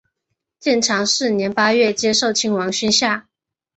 建长四年八月接受亲王宣下。